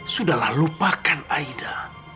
sudahlah lupakan aida